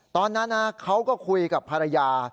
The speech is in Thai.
ตอนนั้นเขาก็คุยกับภรรยา